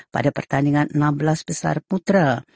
pada pertandingan enam belas besar putra